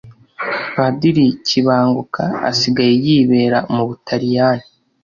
padiri kibanguka asigaye yibera mubutaliyani